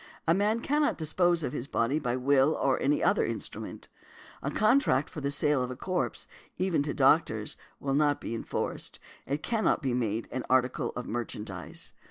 A man cannot dispose of his body by will or any other instrument . A contract for the sale of a corpse, even to doctors, will not be enforced; it cannot be made an article of merchandise .